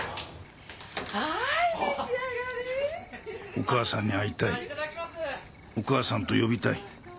お母さんに会いたいお母さんと呼びたい。